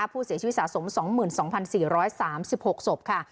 ผู้เสียชีวิตสะสมสองหมื่นสองพันสี่ร้อยสามสิบหกศพค่ะ